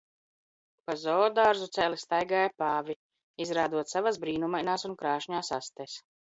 Pa zoodārzu cēli staigāja pāvi, izrādot savas brīnumainās un krāšņās astes